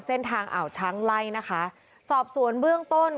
อ่าวช้างไล่นะคะสอบสวนเบื้องต้น